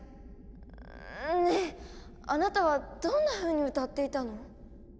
んっあなたはどんなふうに歌っていたの？